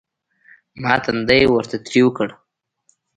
ما تندى ورته تريو کړ.